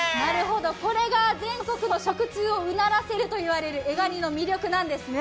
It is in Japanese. これが全国の食通をうならせるというエガニの魅力なんですね。